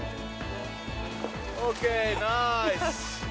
ＯＫ、ナイス。